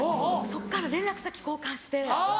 そっから連絡先交換して。